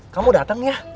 kamu datang ya